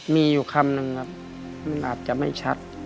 มีอยู่คำนึงครับมันอาจจะไม่ชัด